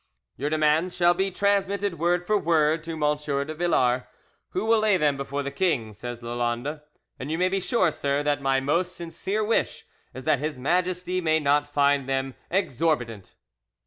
"Your demands shall be transmitted word for word to M. de Villars, who will lay them before the king," said Lalande, "and you may be sure, sir, that my most sincere wish is that His Majesty may not find them exorbitant."